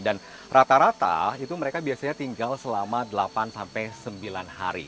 dan rata rata itu mereka biasanya tinggal selama delapan sampai sembilan hari